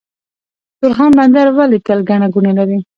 تورخم بندر ولې تل ګڼه ګوڼه لري؟